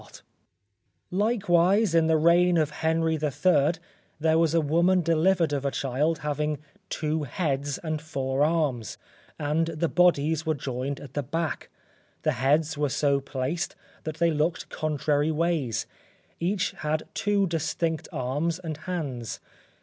Likewise in the reign of Henry III, there was a woman delivered of a child having two heads and four arms, and the bodies were joined at the back; the heads were so placed that they looked contrary ways; each had two distinct arms and hands.